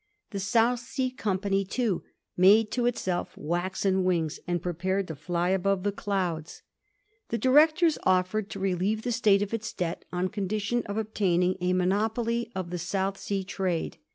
The South Sea Company, too, made to itself waxen wings, and prepared to fly above the clouds. The directors oflfered to relieve the State of its debt on condition of obtaining a monopoly of the South Sea trade.